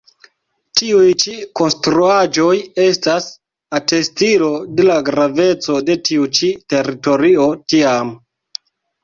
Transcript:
Tiuj ĉi konstruaĵoj estas atestilo de la graveco de tiu ĉiu teritorio tiam.